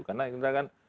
karena sebenarnya kan